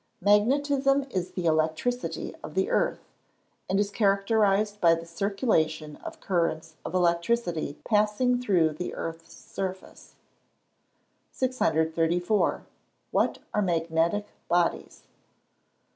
_ Magnetism is the electricity of the earth, and is characterised by the circulation of currents of electricity passing through the earth's surface. 634. _What are magnetic bodies?